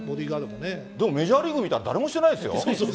でもメジャーリーグ見たら、誰もしてないよ。